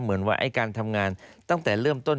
เหมือนว่าการทำงานตั้งแต่เริ่มต้น